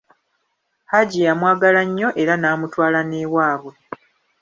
Hajji yamwagala nnyo era n'amutwala n'ewabwe.